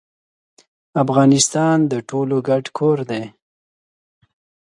افغانستان د ټولو ګډ کور دي.